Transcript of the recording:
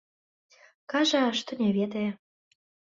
Кажа, што не ведае.